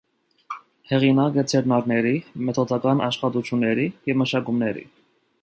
Հեղինակ է ձեռնարկների, մեթոդական աշխատությունների և մշակումների։